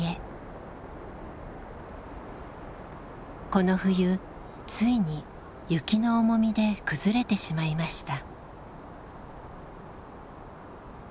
この冬ついに雪の重みで崩れてしまいました。